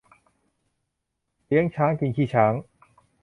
เลี้ยงช้างกินขี้ช้าง